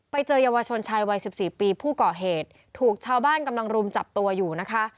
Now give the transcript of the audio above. ไปเจอเยาวชนชายวัยสิบสี่ปีผู้ก่อเหตุถูกชาวบ้านกำลังรุมจับตัวอยู่นะคะ